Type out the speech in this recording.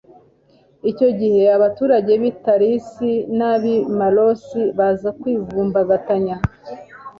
icyo gihe, abaturage b'i tarisi n'ab'i malosi baza kwivumbagatanya